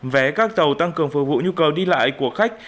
vé các tàu tăng cường phục vụ nhu cầu đi lại của khách